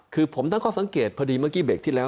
คือผมตั้งข้อสังเกตพอดีเมื่อกี้เบรกที่แล้ว